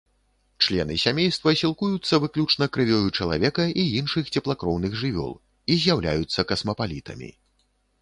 Члены сямейства сілкуюцца выключна крывёю чалавека і іншых цеплакроўных жывёл і з'яўляюцца касмапалітамі.